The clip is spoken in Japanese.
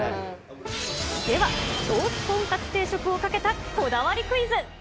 では、ロースとんかつ定食をかけた、こだわりクイズ。